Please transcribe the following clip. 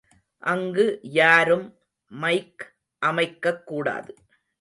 அங்கு யாரும் மைக் அமைக்கக்கூடாது.